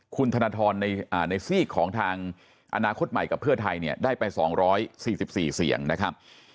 คุณธนทรในซีกของทางอนาคตใหม่กับเพื่อไทยเนี่ยได้ไป๒๔๔เสียงนะครับ